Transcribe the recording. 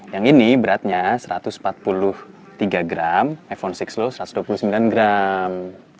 yang ini beratnya satu ratus empat puluh tiga gram iphone enam lo satu ratus dua puluh sembilan gram